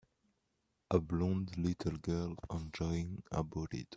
A blond little girl enjoying a burrito